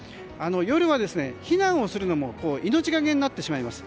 夜は避難をするのも命がけになってしまいます。